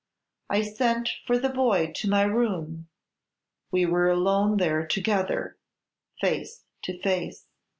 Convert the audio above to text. I sent for the boy to my room; we were alone there together, face to face.